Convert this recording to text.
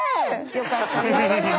よかった。